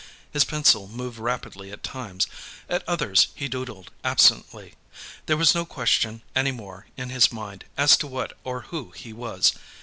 His pencil moved rapidly at times; at others, he doodled absently. There was no question, any more, in his mind, as to what or who he was.